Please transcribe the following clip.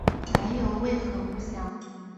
来由为何不详。